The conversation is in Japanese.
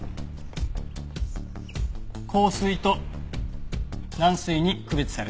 硬水と軟水に区別されるんだ。